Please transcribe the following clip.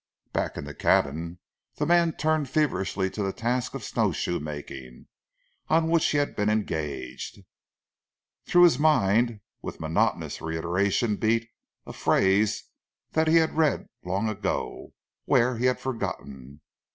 Back in the cabin, the man turned feverishly to the task of snow shoe making on which he had been engaged. Through his mind with monotonous reiteration beat a phrase that he had read long ago, where, he had forgotten.